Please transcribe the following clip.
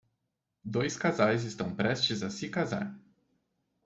Dois casais estão prestes a se casar